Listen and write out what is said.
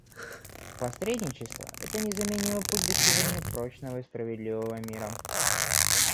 Посредничество — это незаменимый путь к достижению прочного и справедливого мира.